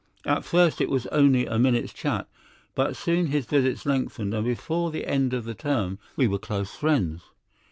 At first it was only a minute's chat, but soon his visits lengthened, and before the end of the term we were close friends.